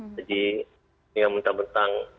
jadi yang minta minta